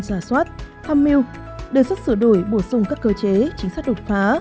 giả soát tham mưu đề xuất sửa đổi bổ sung các cơ chế chính sách đột phá